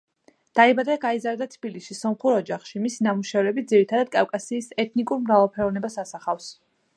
დაიბადა და გაიზარდა თბილისში, სომხურ ოჯახში; მისი ნამუშევრები ძირითადად კავკასიის ეთნიკურ მრავალფეროვნებას ასახავს.